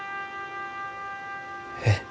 えっ？